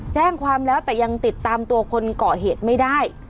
แจ้งความแล้วแต่ยังติดตามตัวคนก่อเหตุไม่ได้